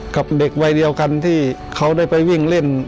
กับเด็กวัยเดียวกันที่เขาได้ไปวิ่งเล่น